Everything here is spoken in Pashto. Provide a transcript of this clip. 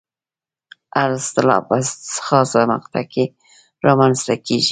هره اصطلاح په خاصه مقطع کې رامنځته کېږي.